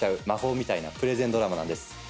魔法みたいなプレゼンドラマなんです。